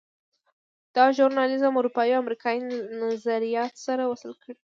دا ژورنال اروپایي او امریکایي نظریات سره وصل کړل.